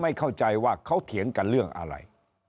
เข้าใจว่าเขาเถียงกันเรื่องอะไร